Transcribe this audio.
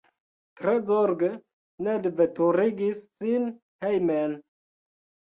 Tre zorge Ned veturigis sin hejmen.